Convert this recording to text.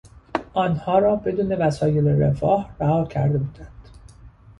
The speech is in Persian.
آنها را بدون وسایل رفاه رها کرده بودند.